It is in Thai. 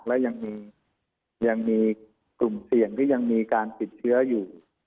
และยังมีกลุ่มเสี่ยงที่ยังมีการติดเชื้ออยู่